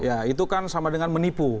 ya itu kan sama dengan menipu